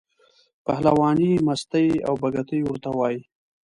پهلوانۍ، مستۍ او بګتۍ ورته وایي.